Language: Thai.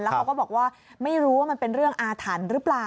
เขาก็บอกว่าไม่รู้ว่ามันเป็นเรื่องอาถรรพ์หรือเปล่า